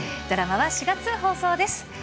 ドラマは４月放送です。